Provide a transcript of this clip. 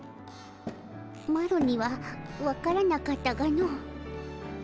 マロには分からなかったがの。